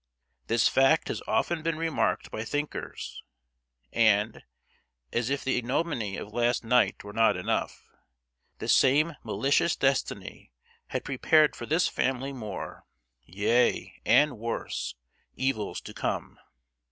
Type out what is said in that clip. This fact has often been remarked by thinkers; and, as if the ignominy of last night were not enough, the same malicious destiny had prepared for this family more, yea, and worse—evils to come!